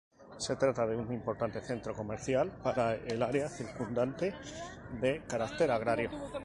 Se trata de un importante centro comercial para el área circundante, de caracter agrario.